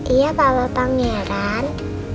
iya papa pangeran